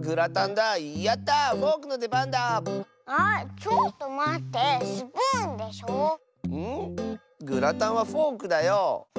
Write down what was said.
グラタンはフォークだよ。